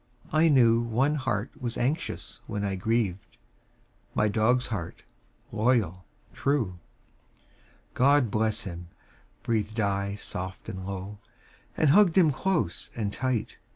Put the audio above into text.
I knew One heart was anxious when I grieved My dog's heart, loyal, true. "God bless him," breathed I soft and low, And hugged him close and tight.